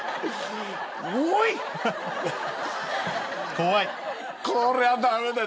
怖い。